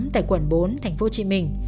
tại quận bốn tp hcm